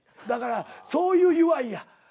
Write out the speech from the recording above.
だからそういう祝いや。